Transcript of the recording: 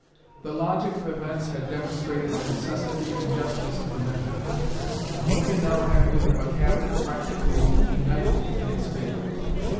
The logic of events had demonstrated the necessity and justice of the measure, and Lincoln now had with him a Cabinet practically united in its favor.